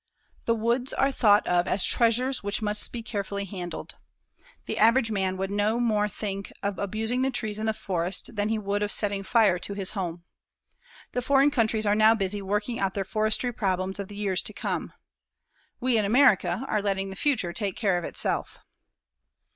The woods are thought of as treasures which must be carefully handled. The average man would no more think of abusing the trees in the forest than he would of setting fire to his home. The foreign countries are now busy working out their forestry problems of the years to come. We in America are letting the future take care of itself.